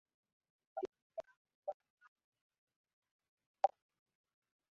Waislamu kwa nafasi za juu za serikali kwa